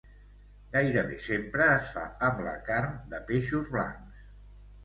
Gairebé sempre es fa amb la carn de peixos blancs.